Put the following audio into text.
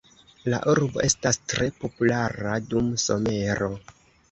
La urbo estas tre populara dum somero.